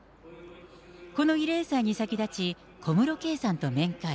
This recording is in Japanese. この慰霊祭に先立ち、小室圭さんと面会。